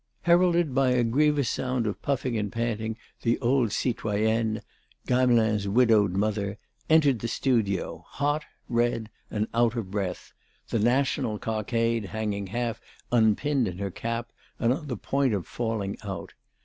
Heralded by a grievous sound of puffing and panting the old citoyenne, Gamelin's widowed mother, entered the studio, hot, red and out of breath, the National cockade hanging half unpinned in her cap and on the point of falling out.